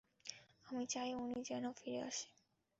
আমি চাই উনি যেন ফিরে আসে।